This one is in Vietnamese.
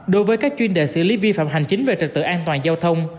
đối với các chuyên đề xử lý vi phạm hành chính về trật tự an toàn giao thông